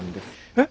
えっ？